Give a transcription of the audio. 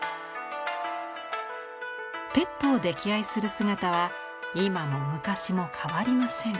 ぺットを溺愛する姿は今も昔も変わりません。